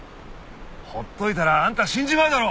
ほっといたらあんた死んじまうだろ。